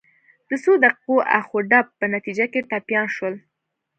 د څو دقیقو اخ و ډب په نتیجه کې ټپیان شول.